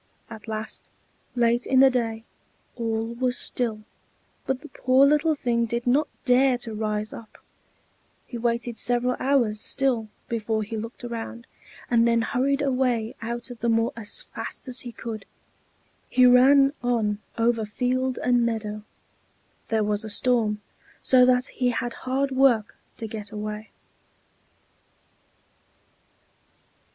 At last, late in the day, all was still: but the poor little thing did not dare to rise up; he waited several hours still before he looked around, and then hurried away out of the moor as fast as he could. He ran on over field and meadow; there was a storm, so that he had hard work to get away.